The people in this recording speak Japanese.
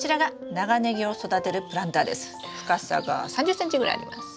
深さが３０ｃｍぐらいあります。